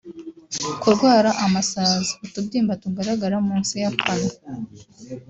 Kurwara amasazi (utubyimba tugaragara munsi y’akanwa